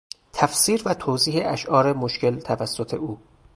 تفسیر و توضیح اشعار مشکل توسط او